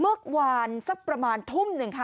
เมื่อวานสักประมาณทุ่มหนึ่งค่ะ